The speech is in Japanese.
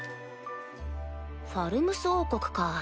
ファルムス王国か